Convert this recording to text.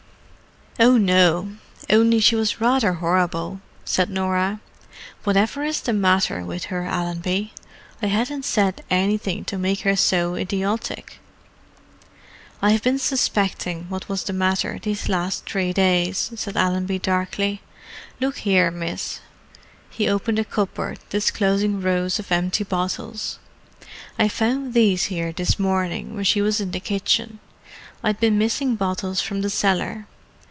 "Oh, no—only she was rather horrible," said Norah. "Whatever is the matter with her, Allenby? I hadn't said anything to make her so idiotic." "I've been suspecting what was the matter these last three days," said Allenby darkly. "Look 'ere, miss." He opened a cupboard, disclosing rows of empty bottles. "I found these 'ere this morning when she was in the kitchen: I'd been missing bottles from the cellar.